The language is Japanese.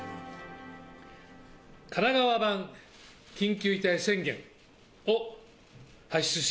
神奈川版緊急事態宣言を発出し。